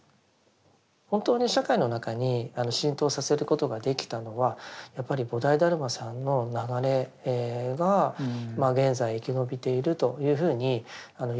本当に社会の中に浸透させることができたのはやっぱり菩提達磨さんの流れが現在生き延びているというふうにいうことができると思います。